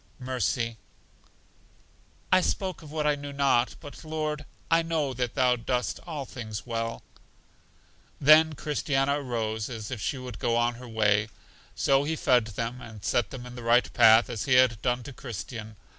Mercy: I spoke of what I knew not; but, Lord, I know that Thou dost all things well. Then Christiana rose as if she would go on her way. So He fed them, and set them in the right path, as He had done to Christian.